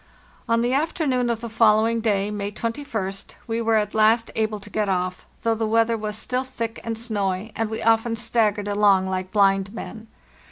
On the afternoon of the following day (May a2tst) we were at last able to get off, though the weather was still thick and snowy, and we often staggered along like blind men.